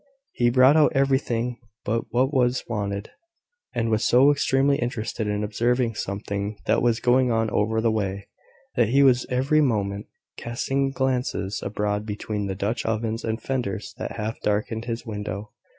He brought out everything but what was wanted; and was so extremely interested in observing something that was going on over the way, that he was every moment casting glances abroad between the dutch ovens and fenders that half darkened his window.